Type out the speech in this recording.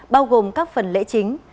bao gồm các phần lễ chính